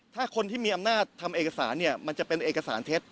ถ้าคนที่มีอำนาจทำเอกสารเนี่ยมันจะเป็นเอกสารเท็จ